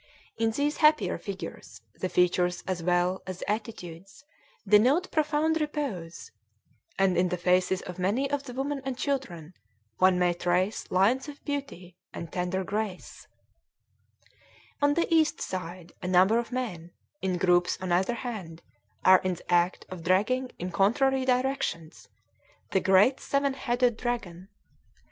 In these happier figures the features as well as the attitudes denote profound repose, and in the faces of many of the women and children one may trace lines of beauty and tender grace. [Illustration: Sculptures of the Naghkon Watt.] On the east side a number of men, in groups on either hand, are in the act of dragging in contrary directions the great seven headed dragon.